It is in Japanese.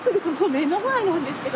目の前なんですけど。